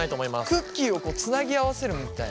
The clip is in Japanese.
クッキーをつなぎ合わせるみたいな感じですか？